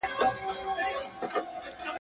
ځان دي هسي کړ ستومان په منډه منډه.